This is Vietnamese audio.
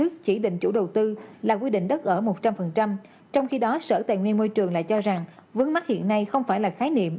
khi đó sở tài nguyên môi trường lại cho rằng vấn mắc hiện nay không phải là khái niệm